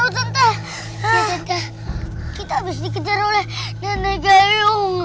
tante kita habis dikejar oleh nenek gayung